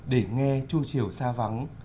để nghe chu chiều xa vắng